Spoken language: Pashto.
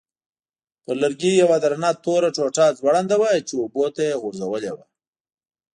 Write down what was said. پر لرګي یوه درنه توره ټوټه ځوړنده وه چې اوبو ته یې غورځولې وه.